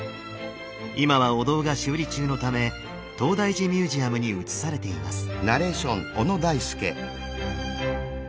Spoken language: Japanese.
今はお堂が修理中のため東大寺ミュージアムに移されています。